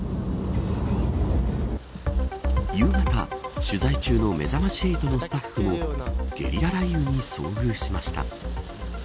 夕方、取材中のめざまし８のスタッフもゲリラ雷雨に遭遇しました。